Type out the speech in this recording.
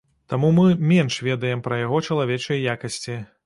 Таму мы менш ведаем пра яго чалавечыя якасці.